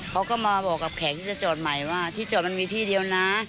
เขาก็มาบอกกับแขกที่จะจอดใหม่ว่าที่จอดมันมีที่เดียวนะ